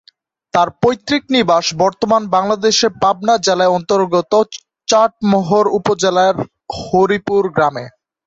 তার পৈতৃক নিবাস বর্তমান বাংলাদেশের পাবনা জেলার অন্তর্গত চাটমোহর উপজেলার হরিপুর গ্রামে।